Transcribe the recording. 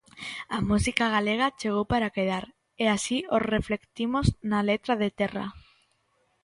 A música galega chegou para quedar, e así o reflectimos na letra de Terra.